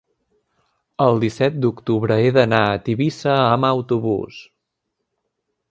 el disset d'octubre he d'anar a Tivissa amb autobús.